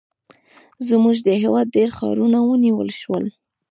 زموږ د هېواد ډېر ښارونه ونیول شول.